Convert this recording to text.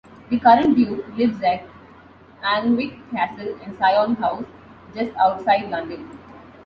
The current duke lives at Alnwick Castle and Syon House, just outside London.